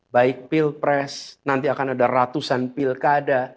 baik pilpres nanti akan ada ratusan pilkada